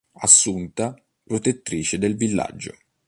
Assunta, Protettrice del villaggio.